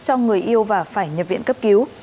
cho người yêu và phải nhập viện cấp cứu